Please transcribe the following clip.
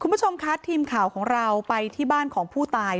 คุณผู้ชมคะทีมข่าวของเราไปที่บ้านของผู้ตาย